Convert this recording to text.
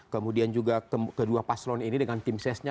kemudian juga kedua paslon ini dengan tim sesnya